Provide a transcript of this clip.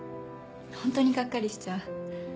ほんとにがっかりしちゃう。